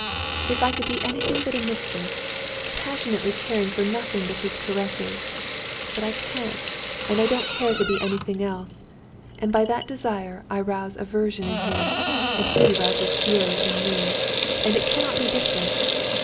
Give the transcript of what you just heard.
"If I could be anything but a mistress, passionately caring for nothing but his caresses; but I can't and I don't care to be anything else. And by that desire I rouse aversion in him, and he rouses fury in me, and it cannot be different.